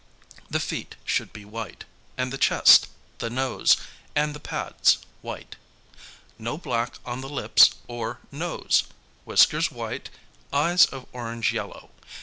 The feet should be white, and the chest, the nose, and the pads white. No black on the lips or nose, whiskers white, eyes of orange yellow.